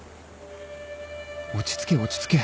落ち着け落ち着け。